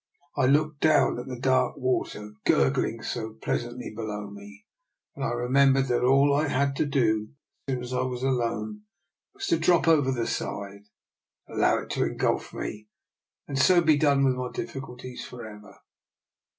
I looked down at the dark water gurgling so pleas antly below me, and remembered that all I 8 DR. NIKOLA'S EXPERIMENT. had to do, as soon as I was alone, was to drop over the side, allow it to engulf me, and so be done with my difficulties for ever.